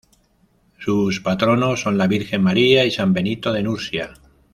Sus patronos son la Virgen María y San Benito de Nursia.